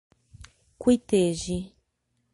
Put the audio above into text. Cuitegi